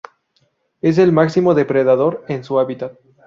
Es el máximo depredador en su hábitat.